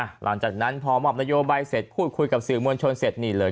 หลังจากนั้นพอมอบนโยบายเสร็จพูดคุยกับสื่อมวลชนเสร็จนี่เลย